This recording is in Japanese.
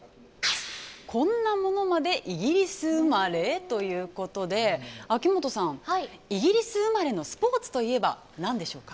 こんなものまでイギリス生まれ？ということで秋元さん、イギリス生まれのスポーツといえば何でしょうか。